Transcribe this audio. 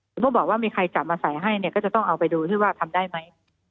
ถ้าบอกว่ามีใครจับมาใส่ให้ก็จะต้องเอาไปดูว่าทำได้ไหม